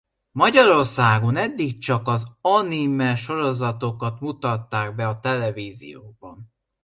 Magyarországon eddig csak az animesorozatokat mutatták be a televízióban.